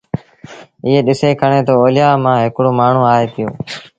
ائيٚݩ ڏسي کڻي تا اوليآ مآݩ هڪڙو مآڻهوٚٚݩآئي پيو